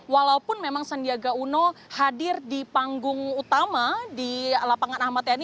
walaupun memang sandiaga uno hadir di panggung utama di lapangan ahmad yani